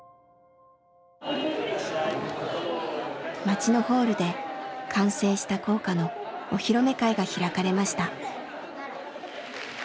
町のホールで完成した校歌のお披露目会が開かれました。